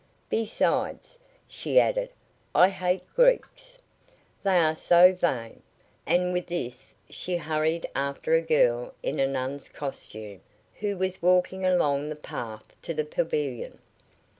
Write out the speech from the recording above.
"Besides," she added, "I hate Greeks. They are so vain!" and with this she hurried after a girl in a nun's costume, who was walking along the path to the pavilion.